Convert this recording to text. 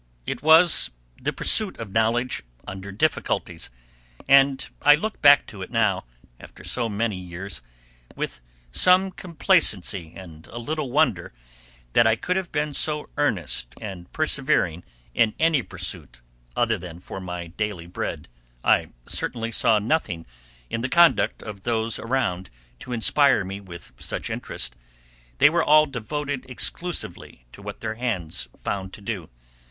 It was the pursuit of knowledge under difficulties, and I look back to it now, after so many years, with some complacency and a little wonder that I could have been so earnest and persevering in any pursuit other than for my daily bread. I certainly saw nothing in the conduct of those around to inspire me with such interest: they were all devoted exclusively to what their hands found to do.